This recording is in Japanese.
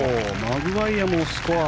マグワイヤもスコア。